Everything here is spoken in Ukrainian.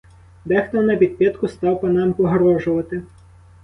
Дехто напідпитку став панам погрожувати.